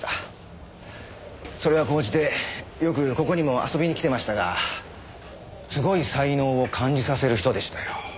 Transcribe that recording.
それが高じてよくここにも遊びに来てましたがすごい才能を感じさせる人でしたよ。